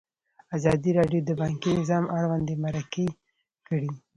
ازادي راډیو د بانکي نظام اړوند مرکې کړي.